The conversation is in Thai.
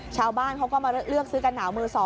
ชาวบ้านเขาก็มาเลือกซื้อกันหนาวมือ๒